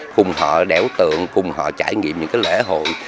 cùng họ đẻo tượng cùng họ trải nghiệm những cái lễ hội